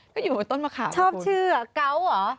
ก็อยู่ต้นมะขามค่ะคุณอเรนนี่ชอบชื่อเก้าเหรอ